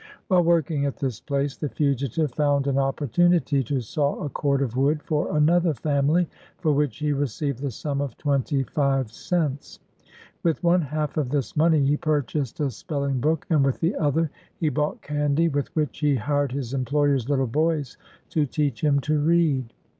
While working at this place, the fugitive found an opportunity to saw a cord of wood for another family, for which he received the sum of twenty five cents. With one half of this money, he purchased a spelling book, and with the other he bought candy, with which he hired his employer's little boys to teach him to read.